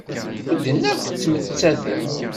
Medden akk ttmettaten.